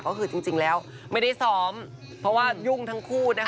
ก็คือจริงแล้วไม่ได้ซ้อมเพราะว่ายุ่งทั้งคู่นะคะ